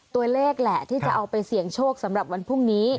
ตัวเลขแหละที่จะเอาไปเสี่ยงโชคสำหรับวันพรุ่งนี้